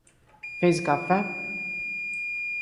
Fez o café?